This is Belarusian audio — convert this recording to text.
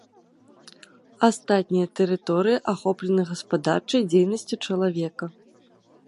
Астатнія тэрыторыі ахоплены гаспадарчай дзейнасцю чалавека.